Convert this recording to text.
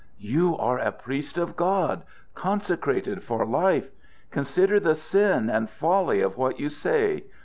"You are a priest of God, consecrated for life. Consider the sin and folly of what you say.